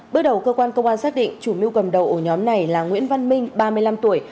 bước đầu cơ quan công an xác định chủ mưu cầm đầu ổ nhóm này là nguyễn văn minh ba mươi năm tuổi